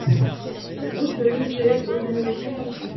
Route de Lezay au numéro cent vingt-huit